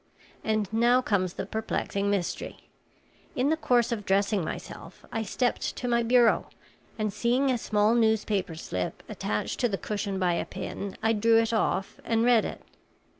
And now comes the perplexing mystery. In the course of dressing myself I stepped to my bureau, and seeing a small newspaper slip attached to the cushion by a pin, I drew it off and read it.